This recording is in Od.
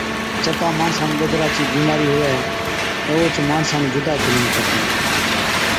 جڪا ماڻسا نُون ڏَدرا چِي بِيمارِي هُوَي، تہ اوهچ ماڻسا نُون جُدا جھُولڻ کپَي